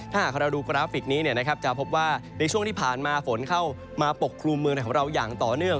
ถ้าหากเราดูกราฟิกนี้จะพบว่าในช่วงที่ผ่านมาฝนเข้ามาปกคลุมเมืองไทยของเราอย่างต่อเนื่อง